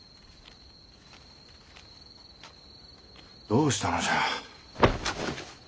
どうしたのじゃ？